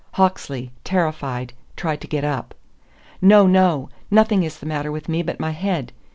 Hawksley, terrified, tried to get up. "No, no! Nothing is the matter with me but my head....